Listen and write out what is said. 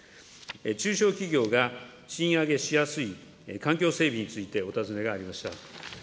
中小企業が賃上げしやすい環境整備についてお尋ねがありました。